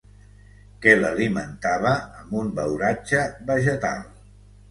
Que l'alimentava amb un beuratge vegetal.